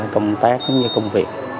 công tác cũng như công việc